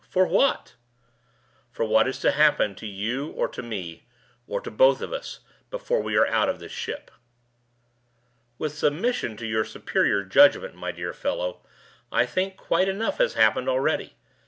What for?" "For what is to happen to you or to me or to both of us before we are out of this ship." "With submission to your superior judgment, my dear fellow, I think quite enough has happened already.